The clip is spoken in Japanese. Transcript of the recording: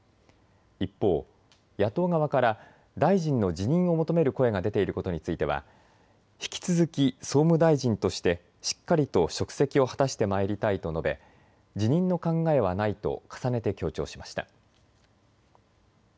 一方、野党側から大臣の辞任を求める声が出ていることについては引き続き、総務大臣としてしっかりと職責を果たしてまいりたいと述べ、辞任の考えはないと重ねて強調しました。